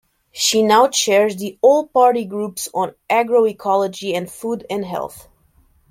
She now chairs the All Party Groups on Agroecology and Food and Health.